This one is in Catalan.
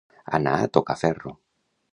Anar a tocar ferro.